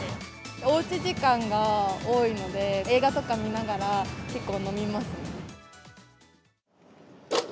おうち時間が多いので、映画とか見ながら、結構飲みますね。